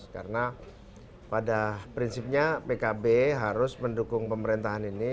karena pada prinsipnya pkb harus mendukung pemerintahan ini